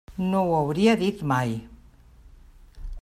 No ho hauria dit mai.